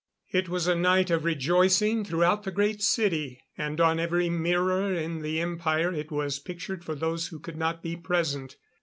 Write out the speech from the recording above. It was a night of rejoicing throughout the Great City; and on every mirror in the Empire it was pictured for those who could not be present.